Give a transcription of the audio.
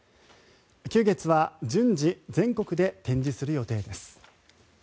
久月は順次、全国で展示する予定です。